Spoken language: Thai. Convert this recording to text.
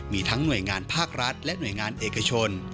มีทั้งหน่วยงานภาครัฐและหน่วยงานเอกชน